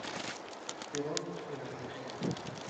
Perón en Argentina.